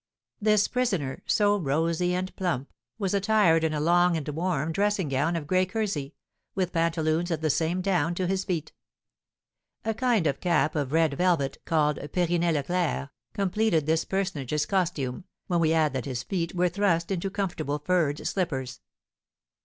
This prisoner, so rosy and plump, was attired in a long and warm dressing gown of gray kersey, with pantaloons of the same down to his feet. A kind of cap of red velvet, called Perinet Leclerc, completed this personage's costume, when we add that his feet were thrust into comfortable furred slippers.